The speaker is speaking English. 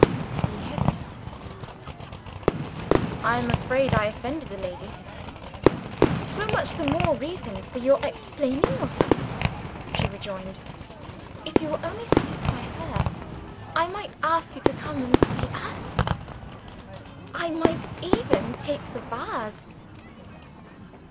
He hesitated. "I am afraid I offended the lady," he said. "So much the more reason for your explaining yourself," she rejoined. "If you will only satisfy her, I might ask you to come and see us I might even take the vase."